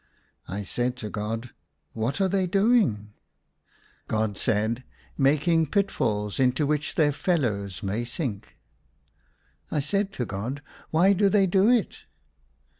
I said to God, *' What are they doing ?" God said, " Making pitfalls into which their fellows may sink." I said to God, " Why do they do it?"